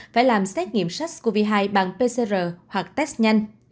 phải làm xét nghiệm sars cov hai bằng pcr hoặc test nhanh